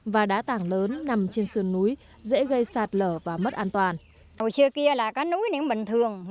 và đá tảng lớn nằm trên sườn núi dễ gây sạt lở và mất an toàn